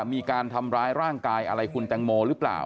มีการทำร้ายร่างกายอะไรคุณแตงโมหรือเปล่า